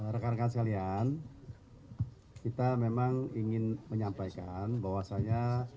rekan rekan sekalian kita memang ingin menyampaikan bahwasannya